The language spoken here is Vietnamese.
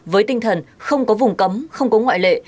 với tinh thần không có vùng cấm không có ngoại lệ